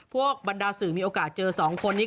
พวกบรรดาสือมีโอกาสเจอสองคนนี้